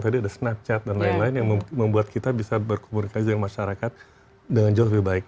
tadi ada snapchat dan lain lain yang membuat kita bisa berkomunikasi dengan masyarakat dengan jauh lebih baik